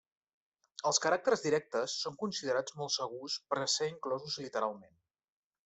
Els caràcters directes són considerats molt segurs per a ser inclosos literalment.